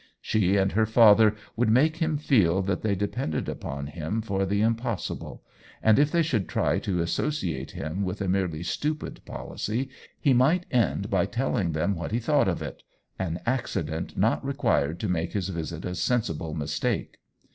She and her father would make him feel that they depended upon him for the impossible, and if they should try to associ ate him with a merely stupid policy he might end by telling them what he thought of it — an accident not required to make his visit a sensible mistake.